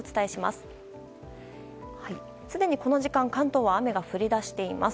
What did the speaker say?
すでに、この時間関東は雨が降り出しています。